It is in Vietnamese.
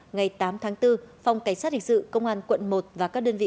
ngày tám tháng bốn phòng cảnh sát hình sự công an quận một và các đơn vị